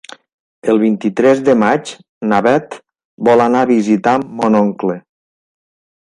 El vint-i-tres de maig na Beth vol anar a visitar mon oncle.